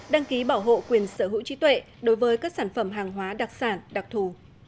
đăng ký bảo hộ quyền sở hữu trí tuệ đối với các sản phẩm hàng hóa đặc sản đặc thù